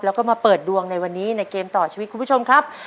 แล้วก็มาเปิดดวงในวันนี้ในเกมต่อชีวิตคุณผู้ชมครับ